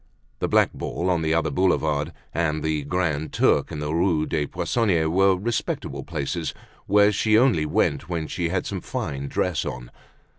The "Black Ball" on the outer Boulevard and the "Grand Turk" in the Rue des Poissonniers, were respectable places where she only went when she had some fine dress on.